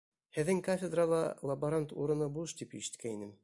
Һеҙҙең кафедрала лаборант урыны буш тип ишеткәйнем.